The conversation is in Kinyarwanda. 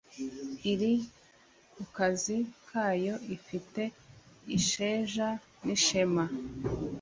Iri kukazi kayo ifitiye isheja n' ishema